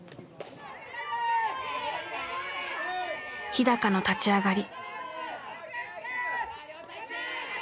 日の立ち上がり。